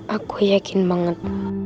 aku yakin banget